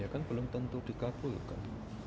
ya kan belum tentu dikabulkan